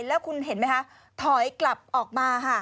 แล้วคุณเห็นไหมคะถอยกลับออกมาค่ะ